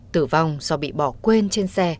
tử vong do bị bỏ quên trên xe